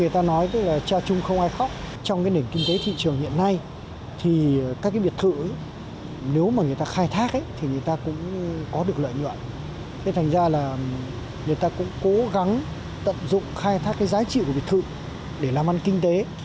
tận dụng khai thác giá trị của biệt thự để làm ăn kinh tế